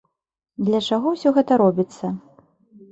Для чаго ўсё гэта робіцца?